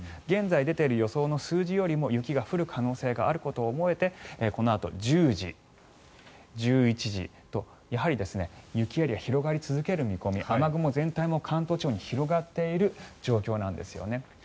現在出ている予想の数字よりも雪が降る可能性があることを覚えてこのあと１０時、１１時とやはり雪エリア広がり続ける見込み雨雲全体も関東地方に広がっている状況なんですよね。